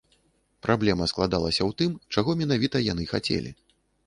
Праблема складалася ў тым, чаго менавіта яны хацелі.